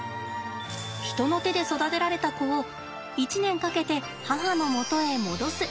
人の手で育てられた子を１年かけて母の元へ戻す。